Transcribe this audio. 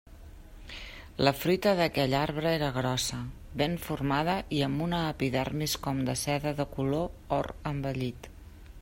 La fruita d'aquell arbre era grossa, ben formada i amb una epidermis com de seda de color or envellit.